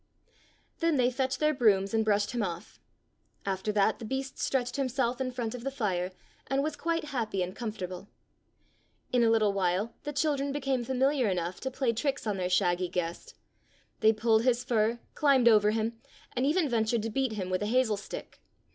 Then they fetched their brooms and brushed him off. After that the beast stretched himself in front of the fire and was quite happy and comfortable. In a little while the children became familiar enough to play tricks on their shaggy guest. They pulled his fur, climbed over him, and even ventured to beat him with a hazel stick.